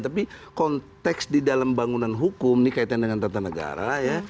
tapi konteks di dalam bangunan hukum ini kaitan dengan tni